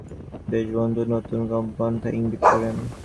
তিনি সভানেতৃত্ব করেন এবং দেশবন্ধুর নতুন কর্মপন্থা ইঙ্গিত করেন।